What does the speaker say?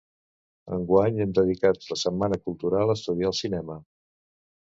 Enguany hem dedicat la Setmana Cultural a estudiar el cinema.